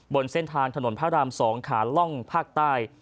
บนเส้นทางถนนพระราม๒ขาล่องภาคใต้